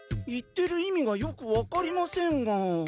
言ってる意味がよく分かりませんが。